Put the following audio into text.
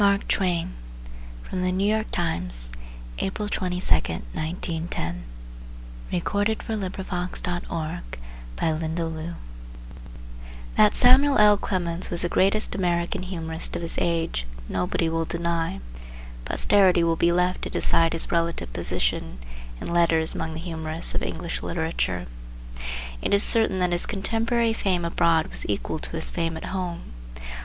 The New York Times, April 22, 1910. Listen to this text (help | file info or download) 79599Mark Twain â Obituary1910 That Samuel L. Clemens was the greatest American humorist of his age nobody will deny. Posterity will be left to decide his relative position, in letters among the humorists of English literature. It is certain that his contemporary fame abroad was equal to his fame at home.